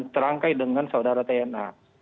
terangkai dengan saudara tna